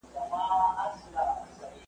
چا دروغ ویل چي دلته بلېدې ډېوې د علم `